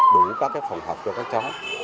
đúng các phòng học cho các cháu